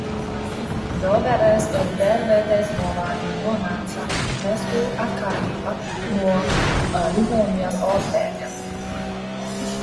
Dobeles un Tērvetes novadi nonāca meslu atkarībā no Livonijas ordeņa.